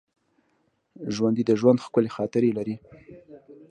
ژوندي د ژوند ښکلي خاطرې لري